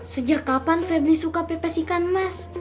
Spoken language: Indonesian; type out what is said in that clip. sejak kapan febley suka pepes ikan mas